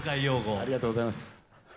ありがとうございます。